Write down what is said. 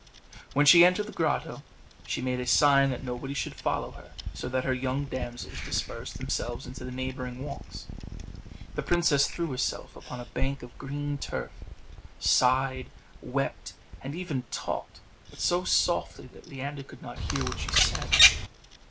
When she entered the grotto, she made a sign that nobody should follow her, so that her young damsels dispersed themselves into the neighbouring walks. The princess threw herself upon a bank of green turf, sighed, wept, and even talked, but so softly that Leander could not hear what she said.